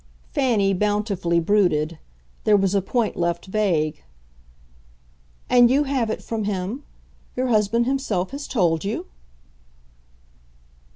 Fanny bountifully brooded; there was a point left vague. "And you have it from him? your husband himself has told you?"